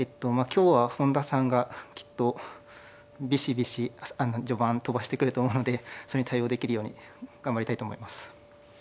今日は本田さんがきっとビシビシ序盤飛ばしてくると思うのでそれに対応できるように頑張りたいと思います。